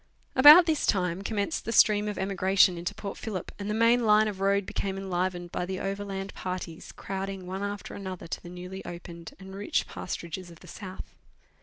About this time commenced the stream of emigration into' Port Phillip, and the main line of road became enlivened by the overland parties crowding one after another to the newly opened and rich pasturages of the south.